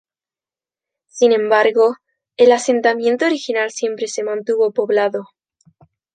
Sin embargo, el asentamiento original siempre se mantuvo poblado.